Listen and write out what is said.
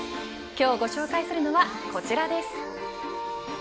今日ご紹介するのはこちらです。